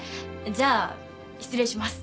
じゃ失礼します。